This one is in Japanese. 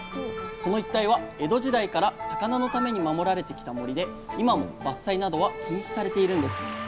この一帯は江戸時代から魚のために守られてきた森で今も伐採などは禁止されているんです。